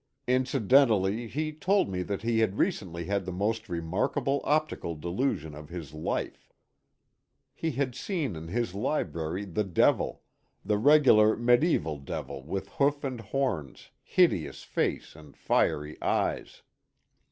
Incidentally he told me that he had recently had the most remarkable optical delusion of his life. He had seen in his library the Devil, — the regular mediaeval Devil with hoof and horns, hideous face and fiery eyes.